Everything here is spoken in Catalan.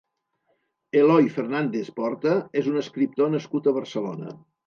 Eloy Fernández Porta és un escriptor nascut a Barcelona.